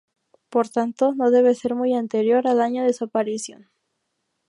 Por tanto no debe ser muy anterior al año de su aparición.